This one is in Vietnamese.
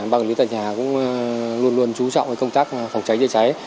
băng lý tà nhà cũng luôn luôn chú trọng công tác phòng cháy cháy cháy